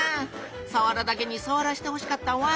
さわらだけにさわらしてほしかったわ。